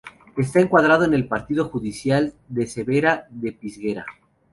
Está encuadrado en el partido judicial de Cervera de Pisuerga.